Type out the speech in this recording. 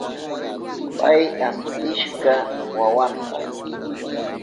Pay asutishka wawanta.